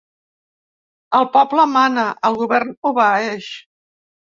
El poble mana, el govern obeeix.